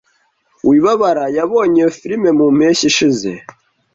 Wibabara yabonye iyo firime mu mpeshyi ishize.